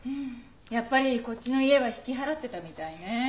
やっぱりこっちの家は引き払ってたみたいね。